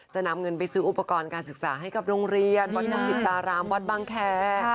จะนำเงินไปซื้ออุปกรณ์การศึกษาให้กับโรงเรียนวัดดุสิตารามวัดบางแคร์